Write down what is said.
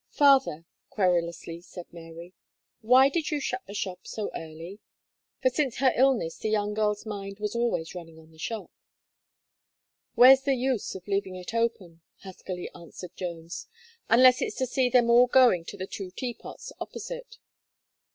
"Father," querulously said Mary, "why did you shut the shop so early?" For since her illness the young girl's mind was always running on the shop. "Where's the use of leaving it open?" huskily answered Jones, "unless it's to see them all going to the two Teapots opposite."